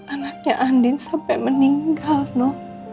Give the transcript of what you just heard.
anaknya andin sampai meninggal no